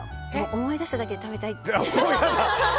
思い出しただけで食べたい。